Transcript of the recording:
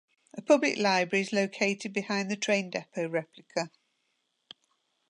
A public library is located behind the train depot replica.